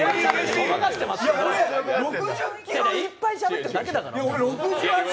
いっぱいしゃべってるだけやから。